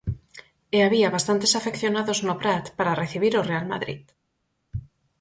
E había bastantes afeccionados no Prat para recibir o Real Madrid.